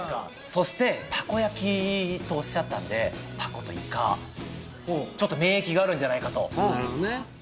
そして、たこ焼きとおっしゃったんで、たこといか、ちょっと免疫があるんじゃないかと。